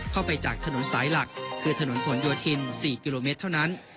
เข้าไปจากถนนสายหลักคือถนนผลโยธิน๔กิโลเมตรเท่านั้น